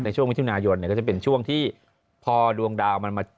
ช่วงมิถุนายนเนี่ยก็จะเป็นช่วงที่พอดวงดาวมันมา